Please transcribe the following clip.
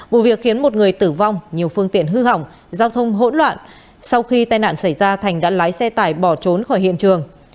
vụ việc khiến một người tử vong nhiều phương tiện hư hỏng giao thông hỗn loạn sau khi tai nạn xảy ra thành đã lái xe tải bỏ trốn khỏi hiện trường